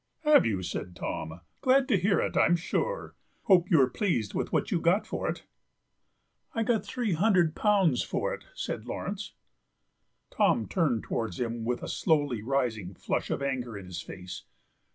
"Have you?" said Tom; "glad to hear it, I'm sure. Hope you're pleased with what you've got for it." "I got three hundred pounds for it," said Laurence. Tom turned towards him with a slowly rising flush of anger in his face.